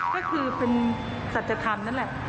ก็คือเป็นสัจธรรมนั่นแหละ